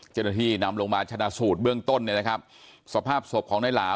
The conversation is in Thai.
เจ้าหน้าที่นำลงมาชนะสูตรเบื้องต้นเนี่ยนะครับสภาพศพของนายหลาว